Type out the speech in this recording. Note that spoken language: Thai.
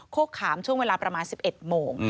โคขามช่วงเวลาประมาณ๑๑โมง